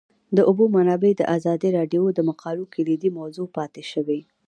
د اوبو منابع د ازادي راډیو د مقالو کلیدي موضوع پاتې شوی.